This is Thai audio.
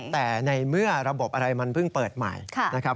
แต่ในเมื่อระบบอะไรมันเพิ่งเปิดใหม่นะครับ